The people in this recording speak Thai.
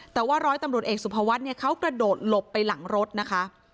แต่ว่าร้อยตำรวจเอกสุภวัฒน์เนี่ยเขากระโดดหลบไปหลังรถนะคะ